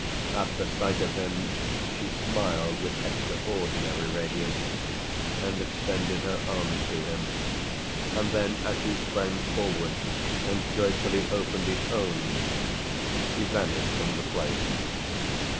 At the sight of him she smiled with extraordinary radiance and extended her arms to him, and then as he sprang forward and joyfully opened his own she vanished from the place.